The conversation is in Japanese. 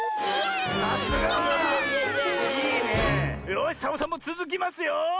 よしサボさんもつづきますよ！